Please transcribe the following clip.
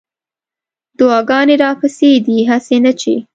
دعاګانې راپسې دي هسې نه چې